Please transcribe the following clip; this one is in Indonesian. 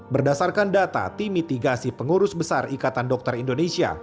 berdasarkan data timitigasi pengurus besar ikatan dokter indonesia